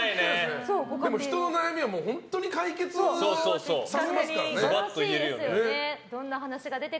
でも、人の悩みは本当に解決させますからね。